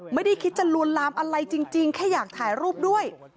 ไม่ได้คิดจะลวนลามอะไรจริงแค่อยากถ่ายรูปด้วย